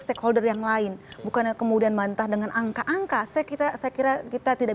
stakeholder yang lain bukannya kemudian bantah dengan angka angka sekitar sekitar kita tidak